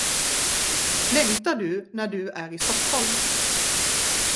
Längtar du, när du är i Stockholm?